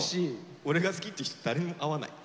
俺が好きって人誰も会わない。